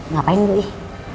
ngapain bu ih